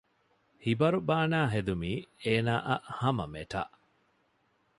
ހިބަރު ބާނައި ހެދުމީ އޭނާއަށް ހަމަ މެޓާ